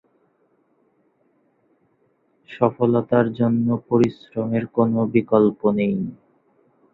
অন্যদিকে যে ব্যক্তি কর্মের সাথে সর্বদা জড়িত থাকে তার মাথায় কোনো কুচিন্তা আসে না।